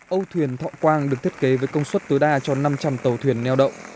âu thuyền thọ quang được thiết kế với công suất tối đa cho năm trăm linh tàu thuyền neo đậu